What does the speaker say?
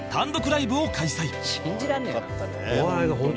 「信じらんねえな」